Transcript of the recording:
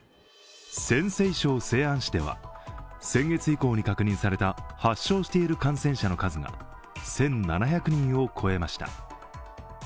陝西省西安市では先月以降に確認された発症している感染者の数が１７００人を超えました。